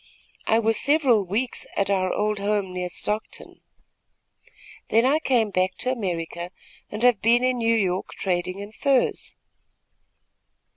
I was several weeks at our old home near Stockton. Then I came back to America and have been in New York trading in furs."